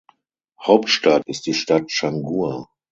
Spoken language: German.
Hauptstadt ist die Stadt Changhua.